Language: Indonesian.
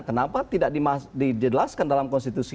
kenapa tidak dijelaskan dalam konstitusi